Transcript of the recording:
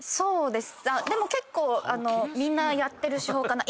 でも結構みんなやってる手法かな。